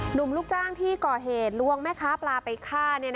ลูกจ้างที่ก่อเหตุลวงแม่ค้าปลาไปฆ่า